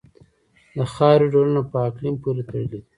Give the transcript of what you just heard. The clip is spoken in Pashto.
د خاورې ډولونه په اقلیم پورې تړلي دي.